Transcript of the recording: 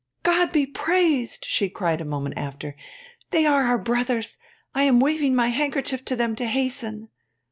God be praised,' she cried a moment after, 'they are our brothers! I am waving my handkerchief to them to hasten.'